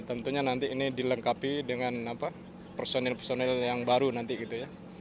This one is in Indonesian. tentunya nanti ini dilengkapi dengan personil personil yang baru nanti gitu ya